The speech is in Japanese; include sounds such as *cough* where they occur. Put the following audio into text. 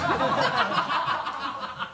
ハハハ *laughs*